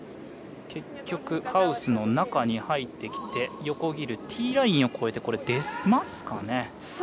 結局ハウスの中に入ってきて横切るティーラインを越えてきますか。